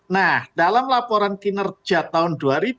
nah dalam laporan kinerja tahun dua ribu dua